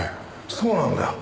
そうなんだよ。